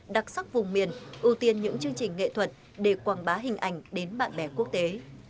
đặc sắc vùng miền ưu tiên những chương trình nghệ thuật để quảng bá hình ảnh đến bạn bè quốc tế